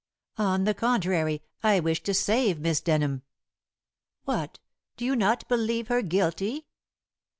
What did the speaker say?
"On the contrary, I wish to save Miss Denham." "What! do you not believe her guilty?"